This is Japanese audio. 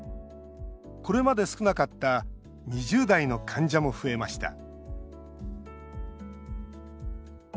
これまで少なかった２０代の患者も増えました